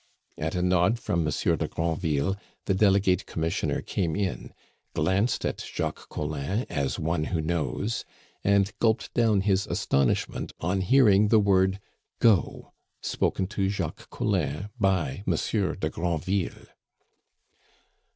At a nod from Monsieur de Granville the Delegate commissioner came in, glanced at Jacques Collin as one who knows, and gulped down his astonishment on hearing the word "Go!" spoken to Jacques Collin by Monsieur de Granville.